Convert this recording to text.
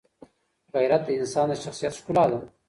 غیرت د انسان د شخصیت ښکلا ده.